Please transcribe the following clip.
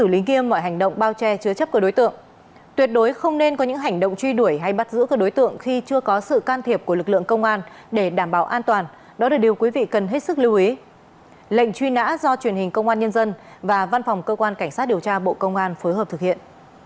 lệnh truy nã do truyền hình công an nhân dân và văn phòng cơ quan cảnh sát điều tra bộ công an phối hợp thực hiện